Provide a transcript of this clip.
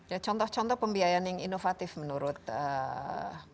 ya contoh contoh pembiayaan yang inovatif menurut ee